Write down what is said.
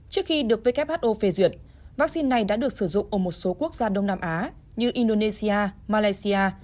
trước khi được who phê duyệt vaccine này đã được sử dụng ở một số quốc gia đông nam á như indonesia malaysia